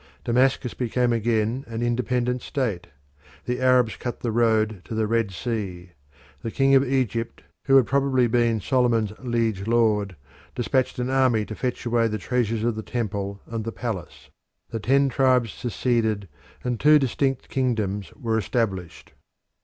Damascus became again an independent state. The Arabs cut the road to the Red Sea. The king of Egypt, who had probably been Solomon's liege lord, dispatched an army to fetch away the treasures of the temple and the palace. The ten tribes seceded, and two distinct kingdoms were established.